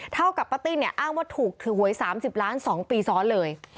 เท่ากับป้าติ้นเนี่ยอ้างว่าถูกถือหวย๓๐ล้าน๒ปีซ้อนเลย